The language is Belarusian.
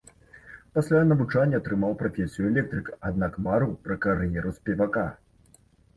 Пасля навучання атрымаў прафесію электрыка, аднак марыў пра кар'еру спевака.